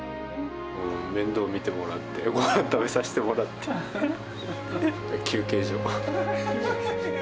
面倒見てもらって、ごはん食べさせてもらって、休憩所。